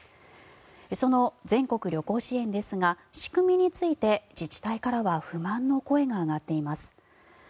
その全国旅行支援ですが仕組みについて自治体からは不満の声が上がっています。